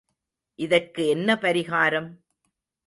இதற்கு என்ன பரிகாரம்?